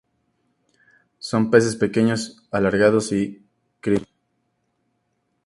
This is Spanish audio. Son peces pequeños y alargados, crípticos.